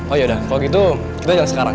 oh iya udah kalau gitu kita jalan sekarang